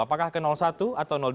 apakah ke satu atau dua